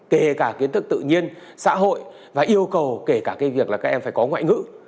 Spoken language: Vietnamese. kể cả kiến thức tự nhiên xã hội và yêu cầu kể cả cái việc là các em phải có ngoại ngữ